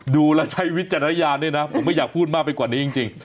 ดูละชัยวิทย์จันทยาเนี่ยนะผมไม่อยากพูดมากไปกว่านี้จริง